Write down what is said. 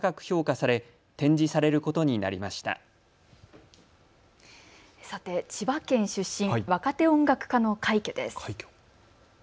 さて千葉県出身、若手音楽家の快挙です。